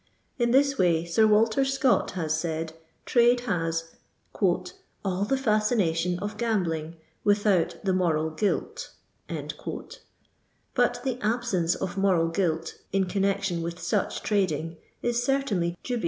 In this way. Sir Walter Scott has said, trade has "all the fiucination of gambling, without the moral guilt;" but the absence of moral guilt in connection with such trading is certainly dubious.